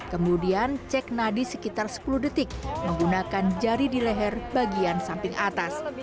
kemudian cek nadi sekitar sepuluh detik menggunakan jari di leher bagian samping atas